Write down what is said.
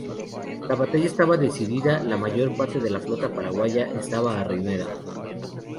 La batalla estaba decidida: la mayor parte de la flota paraguaya estaba arruinada.